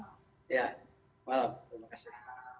ya malam terima kasih